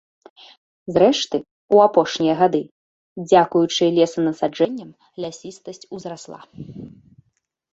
Зрэшты, у апошнія гады, дзякуючы лесанасаджэнням, лясістасць узрасла.